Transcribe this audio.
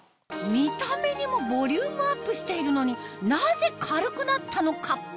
見た目にもボリュームアップしているのになぜ軽くなったのか？